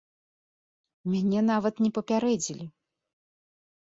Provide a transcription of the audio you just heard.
Мяне нават не папярэдзілі.